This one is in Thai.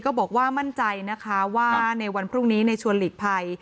บอกว่ามั่นใจนะคะว่าในวันพรุ่งนี้ในชวนหลีกภัย